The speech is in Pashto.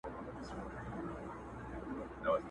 چي یو غم یې سړوم راته بل راسي!!